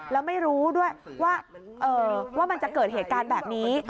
แล้วไม่รู้ด้วยว่ามันจะเกิดเหตุการณ์แบบนี้